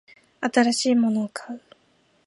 新しいものを買う